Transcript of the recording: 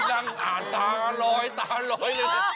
นั่งอ่านตาลอยตาลอยเลย